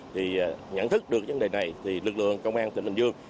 thì nhận thức được vấn đề này thì lực lượng công an tỉnh bình dương